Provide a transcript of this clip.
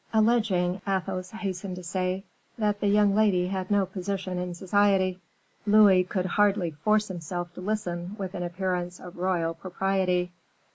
"Alleging," Athos hastened to say, "that the young lady had no position in society." Louis could hardly force himself to listen with an appearance of royal propriety.